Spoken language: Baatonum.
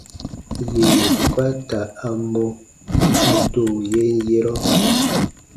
Yèn bukaata a mɔ, a do yen yerɔ.